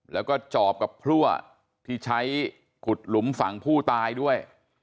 แล้วก็จอบกับพลั่วที่ใช้ขุดหลุมฝั่งผู้ตายด้วย